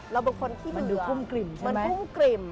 เราเป็นคนที่เบื่อมันพุ่งกริมแล้วก็มันเหมือนดูกุ้มกริม